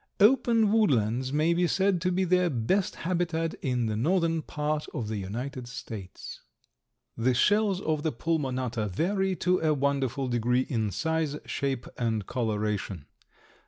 Open woodlands may be said to be their best habitat in the northern part of the United States. The shells of the Pulmonata vary to a wonderful degree in size, shape and coloration.